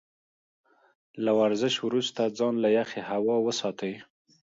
له ورزش وروسته ځان له يخې هوا وساتئ.